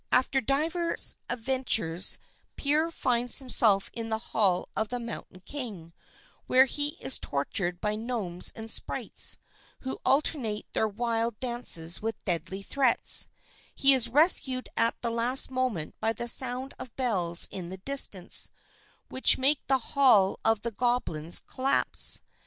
After divers adventures Peer finds himself in the Hall of the Mountain King, where he is tortured by gnomes and sprites, who alternate their wild dances with deadly threats; he is rescued at the last moment by the sound of bells in the distance, which make the hall of the goblins collapse.